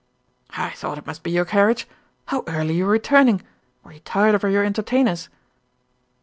"I thought it must be your carriage. How early you are returning! Were you tired of your entertainers?"